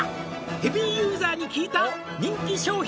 「ヘビーユーザーに聞いた人気商品